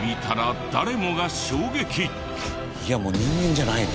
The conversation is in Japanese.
いやもう人間じゃないね。